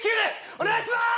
お願いしまーす！！